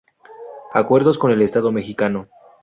Acuerdos con el Estado mexicano.